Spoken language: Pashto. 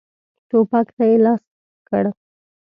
ټوپک ته یې لاس کړ.